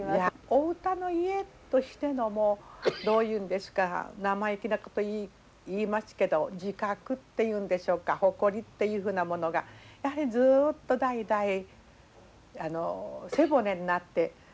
お歌の家としてのどういうんですか生意気なこと言いますけど自覚っていうんでしょうか誇りっていうふうなものがやはりずっと代々背骨になって伝わってらっしゃるんでございますよね。